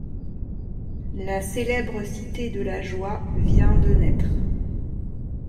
La célèbre Cité de la Joie vient de naître.